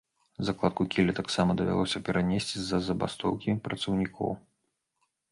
Закладку кіля таксама давялося перанесці з-за забастоўкі працаўнікоў.